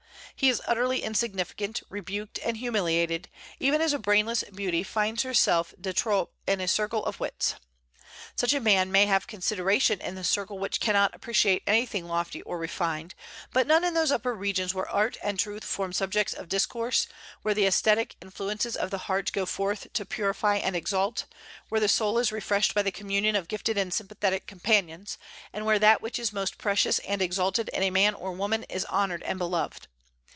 He is utterly insignificant, rebuked, and humiliated, even as a brainless beauty finds herself de trop in a circle of wits. Such a man may have consideration in the circle which cannot appreciate anything lofty or refined, but none in those upper regions where art and truth form subjects of discourse, where the aesthetic influences of the heart go forth to purify and exalt, where the soul is refreshed by the communion of gifted and sympathetic companions, and where that which is most precious and exalted in a man or woman is honored and beloved.